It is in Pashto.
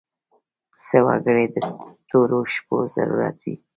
څه وګړي د تورو شپو ضرورت وي.